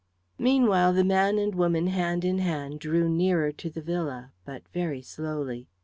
Meanwhile the man and woman hand in hand drew nearer to the villa, but very slowly.